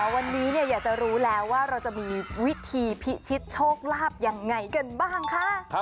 วันนี้อยากจะรู้แล้วว่าเราจะมีวิธีพิชิตโชคลาภยังไงกันบ้างคะ